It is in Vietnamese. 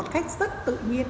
cách rất tự nhiên